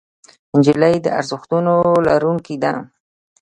نجلۍ د ارزښتونو لرونکې ده.